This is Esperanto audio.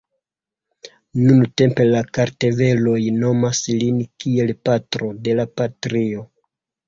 Nuntempe la kartveloj nomas lin kiel "Patro de la Patrio".